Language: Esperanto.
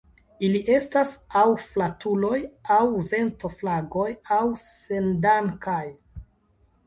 Ili estas aŭ flatuloj, aŭ ventoflagoj, aŭ sendankaj.